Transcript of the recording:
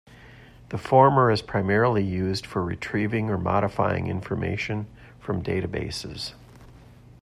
The former is primarily used for retrieving or modifying information from databases.